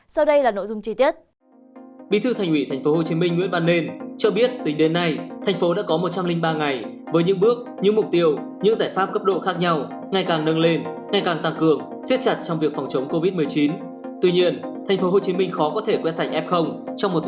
sau đây là nội dung chi tiết